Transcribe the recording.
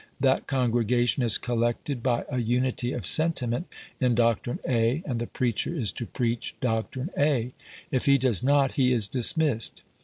That congregation is collected by a unity of sentiment in doctrine A, and the preacher is to preach doctrine A; if he does not, he is dismissed.